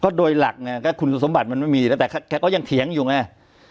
โดยหลักเนี่ยก็คุณสมบัติมันไม่มีแล้วแต่แกก็ยังเถียงอยู่ไง